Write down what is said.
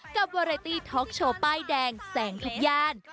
กับวาเรตี้ท็อกโชว์ป้ายแดงแสงทุกย่าน